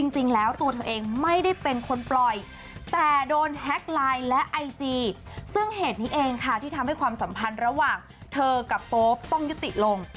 จริงแล้วตัวเธอเองไม่ได้เป็นคนปล่อยแต่โดนแฮ็กไลน์และไอจีซึ่งเหตุนี้เองค่ะที่ทำให้ความสัมพันธ์ระหว่างเธอกับโป๊ปต้องยุติลง